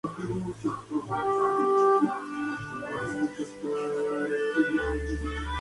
Es la más joven de tres hermanos.